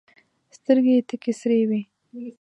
سترګي یې تکي سرې وې !